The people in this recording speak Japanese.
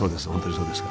そうですよ。